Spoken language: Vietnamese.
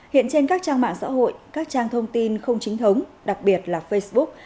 hiện trên các trang mạng xã hội các trang thông tin không chính thống đặc biệt là facebook